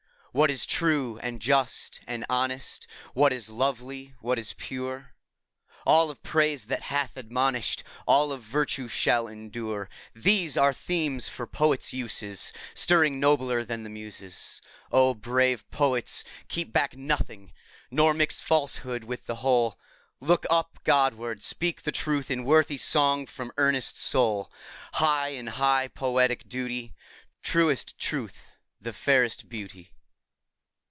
What is true and just and honest, What is lovely, what is pure, — All of praise that hath admonish'd, All of virtue, shall endure, — These are themes for poets' uses, Stirring nobler than the Muses. O brave poets, keep back nothing ; Nor mix falsehood with the whole ! Look up Godward! speak the truth in Worthy song from earnest soul ! Hold, in high poetic duty, Truest Truth the fairest Beauty!